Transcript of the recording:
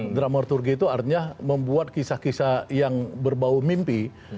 dramaturgi itu artinya membuat kisah kisah yang berbau mimpi